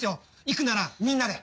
行くならみんなで。